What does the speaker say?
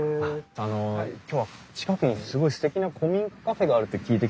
あの今日は近くにすごいすてきな古民家カフェがあるって聞いてきたんですけど。